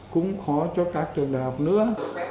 cũng khó cho các trường đại học nữa